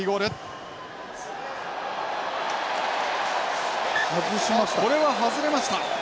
これは外れました。